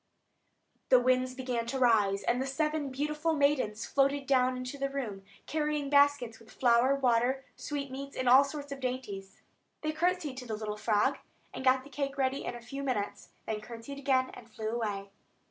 The winds began to rise, and the seven beautiful maidens floated down into the room, carrying baskets, with flour, water, sweetmeats, and all sorts of dainties. They curtsied to the little frog, and got the cake ready in a few minutes; curtsied again, and flew away.